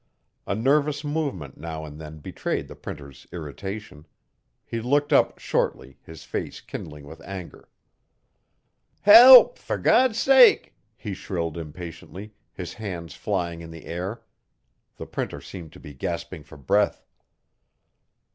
A nervous movement now and then betrayed the Printer's irritation. He looked up, shortly, his face kindling with anger. 'Help! For God's sake!' he shrilled impatiently, his hands flying in the air. The Printer seemed to be gasping for breath.